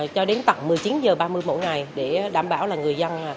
cho đến tận một mươi chín h ba mươi mỗi ngày để đảm bảo là người dân